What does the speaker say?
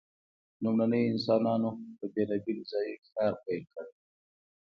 لومړنیو انسانانو په بیلابیلو ځایونو کې کار پیل کړ.